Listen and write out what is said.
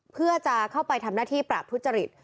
เพื่อจะเข้าไปทำหน้าที่ปราบทุจริต